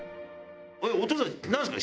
お父さん何ですか？